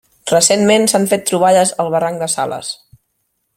Recentment s'han fet troballes al Barranc de Sales.